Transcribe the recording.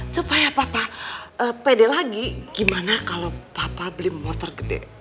supaya papa pede lagi gimana kalau papa beli motor gede